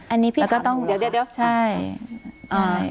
อันนี้ให้พี่ถามเดี๋ยว